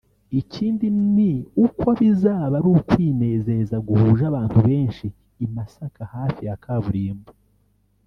Ikindi ni uko bizaba ari ukwinezeza guhuje abantu benshi i Masaka hafi na kaburimbo